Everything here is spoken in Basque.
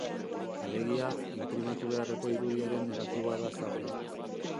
Alegia, inprimatu beharreko irudiaren negatiboa da xafla.